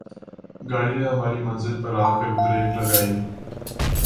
گاڑی نے ہماری منزل پر آ کر بریک لگائی